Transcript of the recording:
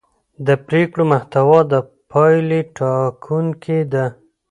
د پرېکړو محتوا د پایلې ټاکونکې ده